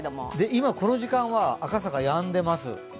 今、この時間は赤坂、やんでいます。